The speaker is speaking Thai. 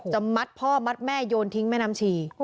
มัดพ่อมัดแม่โยนทิ้งแม่น้ำชี